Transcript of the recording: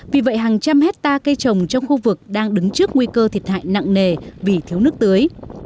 vì vậy hàng trăm hectare cây trồng trong khu vực đang đứng trước nguy cơ thiệt hại nặng nề vì thiếu nước tưới